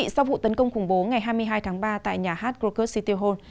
sau vụ tấn công khủng bố ngày hai mươi hai tháng ba tại nhà hát groker city hall